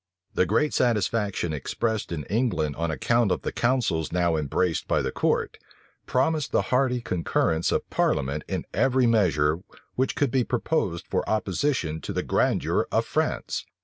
The great satisfaction expressed in England on account of the counsels now embraced by the court, promised the hearty concurrence of parliament in every measure which could be proposed for opposition to the grandeur of France.